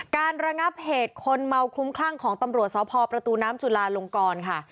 ระงับเหตุคนเมาคลุ้มคลั่งของตำรวจสพประตูน้ำจุลาลงกรค่ะ